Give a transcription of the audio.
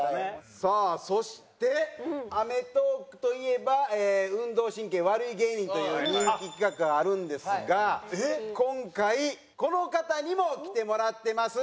さあそして『アメトーーク』といえば運動神経悪い芸人という人気企画があるんですが今回この方にも来てもらってます。